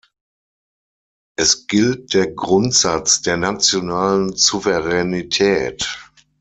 Es gilt der Grundsatz der nationalen Souveränität.